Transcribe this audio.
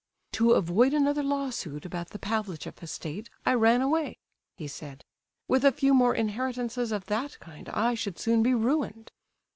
"To avoid another lawsuit about the Pavlicheff estate, I ran away," he said. "With a few more inheritances of that kind I should soon be ruined!"